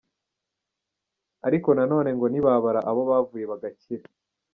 Ariko na none ngo ntibabara abo bavuye bagakira.